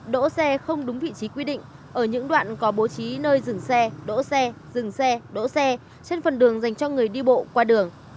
đỗ xe không đúng vị trí quy định ở những đoạn có bố trí nơi dừng xe đỗ xe dừng xe đỗ xe trên phần đường dành cho người đi bộ qua đường